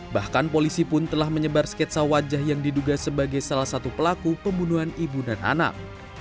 bahkan polisi pun telah menyebar sketsa wajah yang diduga sebagai salah satu pelaku pembunuhan ibu dan anak